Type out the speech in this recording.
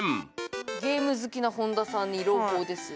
ゲーム好きな本田さんに朗報です。